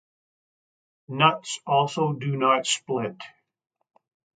Nuts also do not split.